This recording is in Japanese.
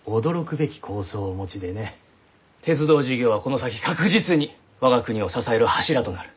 鉄道事業はこの先確実に我が国を支える柱となる。